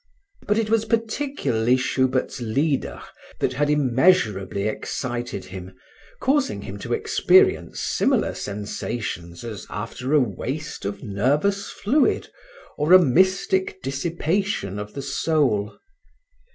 But it was particularly Schubert's lieders that had immeasurably excited him, causing him to experience similar sensations as after a waste of nervous fluid, or a mystic dissipation of the soul.